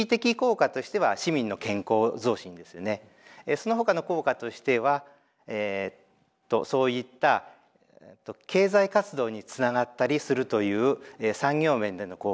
その他の効果としてはそういった経済活動につながったりするという産業面での効果。